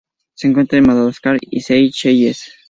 Se encuentra en Madagascar y Seychelles.